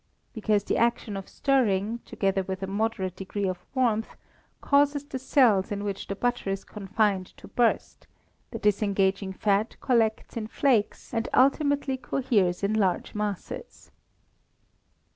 _ Because the action of stirring, together with a moderate degree of warmth, causes the cells in which the butter is confined to burst; the disengaged fat collects in flakes, and ultimately coheres in large masses.